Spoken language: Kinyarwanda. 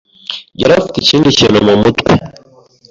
yari afite ikindi kintu mumutwe.